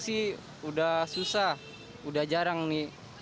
sih udah susah udah jarang nih